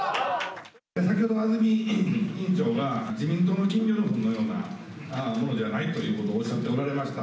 先ほど安住委員長が、自民党の金魚のふんのようなものではないということをおっしゃっておられました。